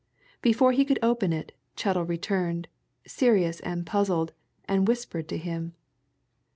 Before he could open it, Chettle returned, serious and puzzled, and whispered to him.